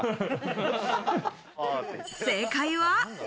正解は。